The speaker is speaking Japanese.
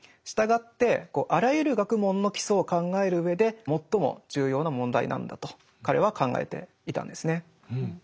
従ってあらゆる学問の基礎を考える上で最も重要な問題なんだと彼は考えていたんですね。